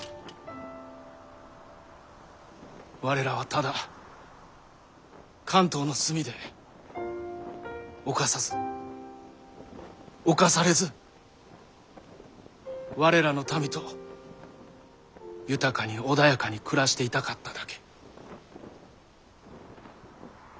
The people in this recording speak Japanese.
我らはただ関東の隅で侵さず侵されず我らの民と豊かに穏やかに暮らしていたかっただけ。